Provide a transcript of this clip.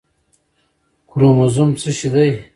کروموزوم څه شی دی